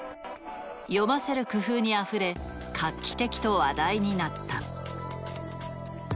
読ませる工夫にあふれ画期的と話題になった。